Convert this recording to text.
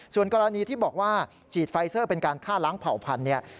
ส่วนกรณีที่บอกว่าฉีดไฟเซอร์เป็นการฆ่าล้างเผ่าพันธุ์เนี่ย